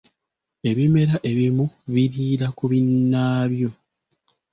Ebimera ebimu biriira ku binnaabyo.